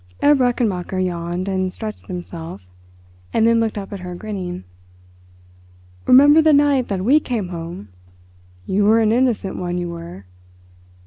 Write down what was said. Herr Brechenmacher yawned and stretched himself, and then looked up at her, grinning. "Remember the night that we came home? You were an innocent one, you were."